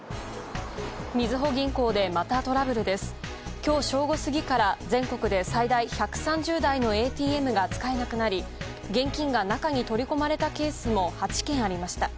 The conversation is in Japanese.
今日正午過ぎから全国で最大１３０台のＡＴＭが使えなくなり現金が中に取り込まれたケースも８件ありました。